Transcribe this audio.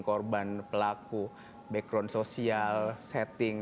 korban pelaku background sosial setting